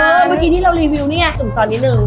เมื่อกี้ที่เรารีวิวนี่ไงสุ่มตอนนิดนึง